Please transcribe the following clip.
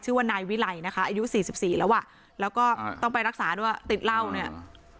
ชื่อว่านายวิไลนะคะอายุสี่สิบสี่แล้วอ่ะแล้วก็ต้องไปรักษาด้วยติดเหล้าเนี่ย